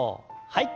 はい。